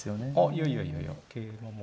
いやいやいやいや桂馬も。